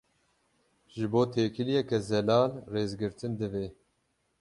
Ji bo têkiliyeke zelal, rêzgirtin divê.